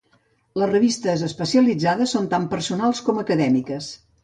Les revistes especialitzades són tan personals com acadèmiques.